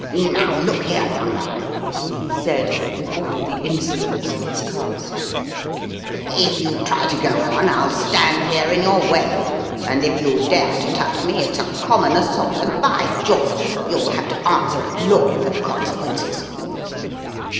"Now look here, young man," he said, with all the insolence of his caste: "if you try to go on, I'll stand here in your way; and if you dare to touch me, it's a common assault, and, by George, you'll have to answer at law for the consequences."